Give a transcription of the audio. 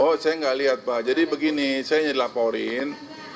oh saya nggak lihat pak jadi begini saya ingin laporin